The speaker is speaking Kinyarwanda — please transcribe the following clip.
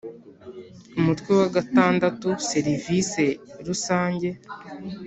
Umutwe wa gatandatu serivise rusange